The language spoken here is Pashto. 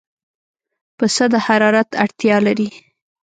پسه د حرارت اړتیا لري.